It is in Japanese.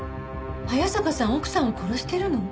早坂さん奥さんを殺してるの？